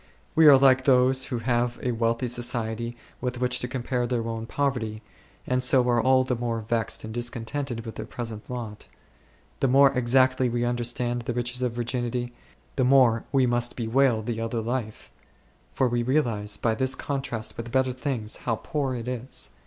We are like those who have a wealthy society with which to compare their own poverty, and so are all the more vexed and discontented with their present lot. The more exactly we understand the riches of virginity, the more we must bewail the other life ; for we realize by this contrast with better things, how poor it is.